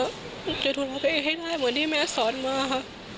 เดี๋ยวทุนไปให้ได้เหมือนที่แม่สอนมาค่ะ